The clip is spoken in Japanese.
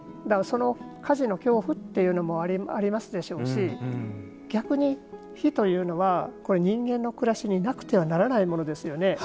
火事の恐怖というのもありますでしょうし逆に、火というのは人間の暮らしになくてはならないものですよね。